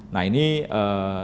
dan bisa berkelanjutan